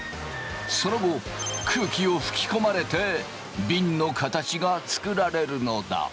その後空気を吹き込まれてびんの形が作られるのだ。